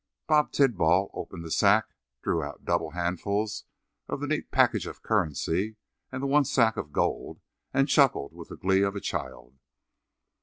Bob Tidball opened the sack, drew out double handfuls of the neat packages of currency and the one sack of gold and chuckled with the glee of a child.